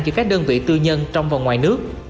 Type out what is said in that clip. cho các đơn vị tư nhân trong và ngoài nước